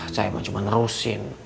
saya mah cuma nerusin